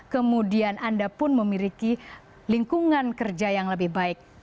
kemudian anda pun memiliki lingkungan kerja yang lebih baik